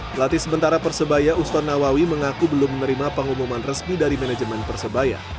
pelatih sementara persebaya uston nawawi mengaku belum menerima pengumuman resmi dari manajemen persebaya